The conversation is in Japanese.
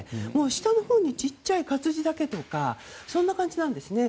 下のほうの小さい活字だけとかそんな感じなんですね。